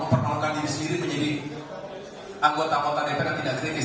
mempermalukan diri sendiri menjadi anggota kontak dpr tidak kritis